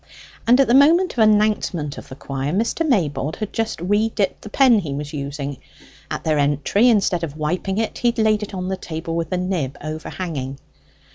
And at the moment of the announcement of the choir, Mr. Maybold had just re dipped the pen he was using; at their entry, instead of wiping it, he had laid it on the table with the nib overhanging.